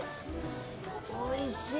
おいしい？